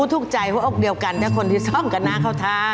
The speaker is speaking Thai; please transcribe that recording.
แต่คนที่ซ่องก็น่าเข้าท้า